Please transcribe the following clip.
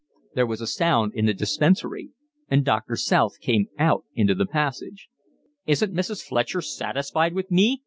There was a sound in the dispensary and Doctor South came out into the passage. "Isn't Mrs. Fletcher satisfied with me?"